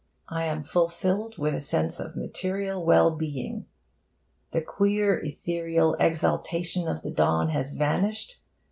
I am fulfilled with a sense of material well being. The queer ethereal exaltation of the dawn has vanished.